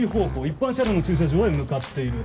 一般車両の駐車場へ向かっている。